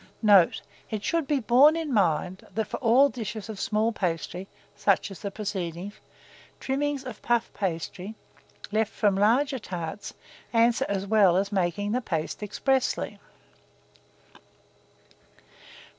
Note. It should be borne in mind, that, for all dishes of small pastry, such as the preceding, trimmings of puff pasty, left from larger tarts, answer as well as making the paste expressly.